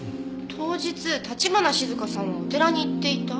当日橘静香さんはお寺に行っていた？